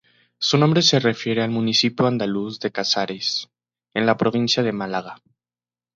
Su nombre se refiere al municipio andaluz de Casares, en la provincia de Málaga.